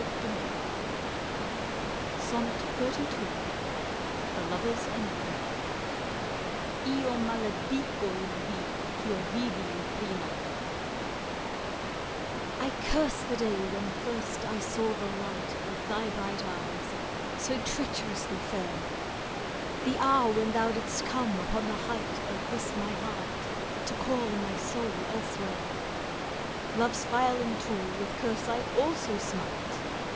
89 CANZONIERE {iV SONNET XXXII PJ '^^^ THE lover's anathema lo mahdico il d) cK h v'tdi m prima 1 CURSE the day when first I saw the light Of thy bright eyes so treacherously fair, The. hour when thou didst come upon the height Of this my heart to call my soul elsewhere; " Love's filing tool with curse I also smite.